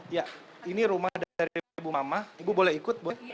ya ini rumah dari bu mamah ibu boleh ikut boleh